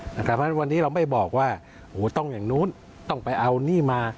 เพราะฉะนั้นวันนี้เราไม่บอกว่าต้องอย่างนู้นต้องไปเอานี่มา